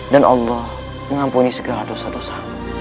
dan allah mengampuni segala dosa dosa